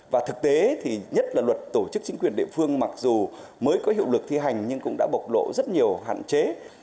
và thực tế thì nhất là luật tổ chức chính quyền địa phương mặc dù mới có hiệu lực thi hành nhưng cũng đã bộc lộ rất nhiều hạn chế